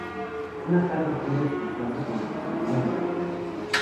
Una carga puede expresarse como positiva o negativa.